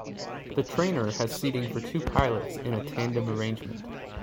The trainer has seating for two pilots in a tandem arrangement.